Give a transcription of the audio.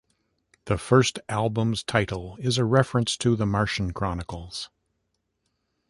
The first album's title is a reference to "The Martian Chronicles".